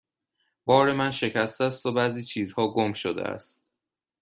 بار من شکسته است و بعضی چیزها گم شده است.